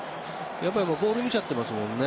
やっぱりボール見ちゃってますもんね。